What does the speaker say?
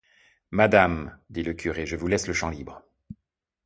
Madame, dit le curé, je vous laisse le champ libre.